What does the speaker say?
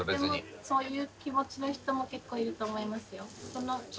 でもそういう気持ちの人も結構いると思いますよ。